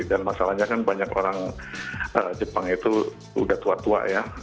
dan masalahnya kan banyak orang jepang itu sudah tua tua ya